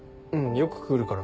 よく来るから。